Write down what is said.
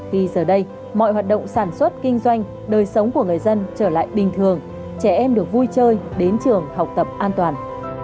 vì giờ đây mọi hoạt động sản xuất kinh doanh đời sống của người dân trở lại bình thường trẻ em được vui chơi đến trường học tập an toàn